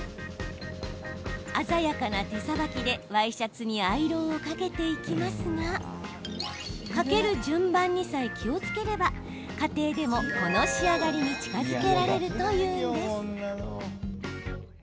鮮やかな手さばきでワイシャツにアイロンをかけていきますがかける順番にさえ気をつければ家庭でもこの仕上がりに近づけられるというんです。